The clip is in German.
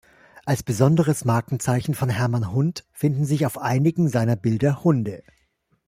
Als besonderes Markenzeichen von Hermann Hundt finden sich auf einigen seiner Bilder Hunde.